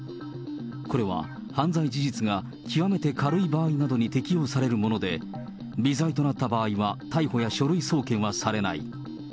これは、犯罪事実が極めて軽い場合などに適用されるもので、微罪となった場合は逮捕や書類送検はされない。